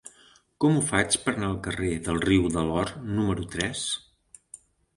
Com ho faig per anar al carrer del Riu de l'Or número tres?